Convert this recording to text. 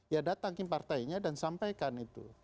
ya datangin partainya dan sampaikan itu